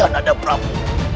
jangan nanda prabu